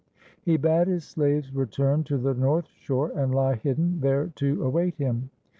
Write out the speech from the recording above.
He bade his slaves return to the north shore and lie hidden there to await him.